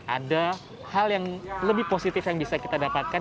ada hal yang lebih positif yang bisa kita dapatkan